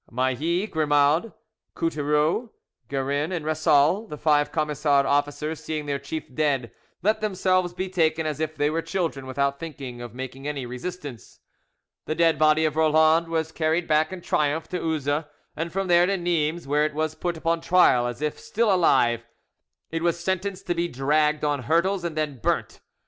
Maillie, Grimaud, Coutereau, Guerin, and Ressal, the five Camisard officers, seeing their chief dead, let themselves be taken as if they were children, without thinking of making any resistance. The dead body of Roland was carried back in triumph to Uzes, and from there to Nimes, where it was put upon trial as if still alive. It was sentenced to be dragged on hurdles and then burnt.